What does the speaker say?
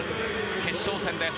決勝戦です。